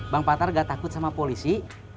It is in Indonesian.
bang patar gak takut sama polisi